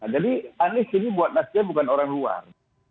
jadi anies ini buat nasdem bukan orang luar